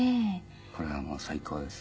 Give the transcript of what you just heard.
これはもう最高です。